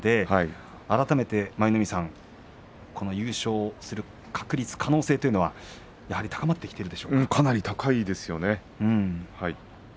改めて舞の海さん優勝する確率可能性はやはりかなり高まっていますね。